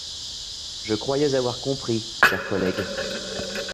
Je croyais avoir compris, chers collègues.